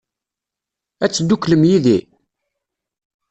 Ad tedduklem yid-i?